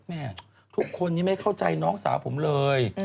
แม่ทุกคนนี้ไม่เข้าใจน้องสาวผมเลย